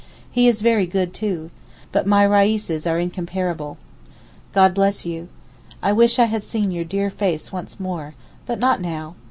He is very good too. But my Reises are incomparable. God bless you. I wish I had seen your dear face once more—but not now.